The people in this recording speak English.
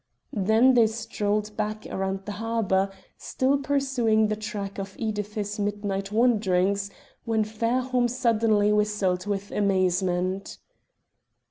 Then they strolled back around the harbour, still pursuing the track of Edith's midnight wanderings, when Fairholme suddenly whistled with amazement.